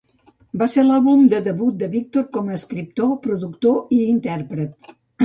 Va ser l'àlbum de debut de Victor com a escriptor, productor i intèrpret.